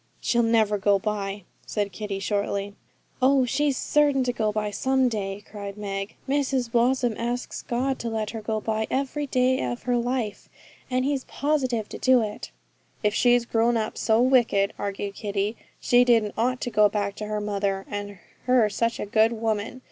'She'll never go by,' said Kitty shortly. 'Oh, she's certain sure to go by some day,' cried Meg. 'Mrs Blossom asks God to let her go by, every day of her life; and He's positive to do it.' 'If she's grown up so wicked,' argued Kitty, 'she didn't ought to go back to her mother, and her such a good woman.